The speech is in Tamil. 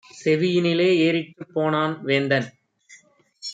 செவியினிலே ஏறிற்றுப் போனான் வேந்தன்!